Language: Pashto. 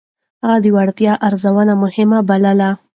هغه د وړتيا ارزونه مهمه بلله.